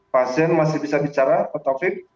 pasien masih bisa bicara petafik